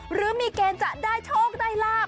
หรือมีเกณฑ์จะได้โชคได้ลาบ